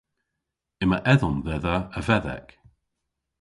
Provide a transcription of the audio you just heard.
Yma edhomm dhedha a vedhek.